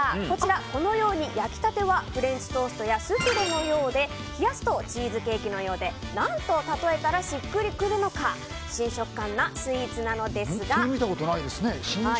こちら、このように焼きたてはフレンチトーストやスフレのようで冷やすとチーズケーキのようで何と例えたらしっくりくるのか新食感なスイーツなのですが。